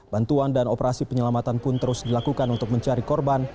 bantuan dan operasi penyelamatan pun terus dilakukan untuk mencari korban